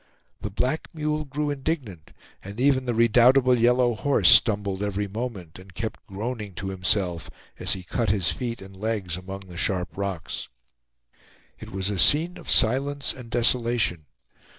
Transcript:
The black mule grew indignant, and even the redoubtable yellow horse stumbled every moment, and kept groaning to himself as he cut his feet and legs among the sharp rocks. It was a scene of silence and desolation.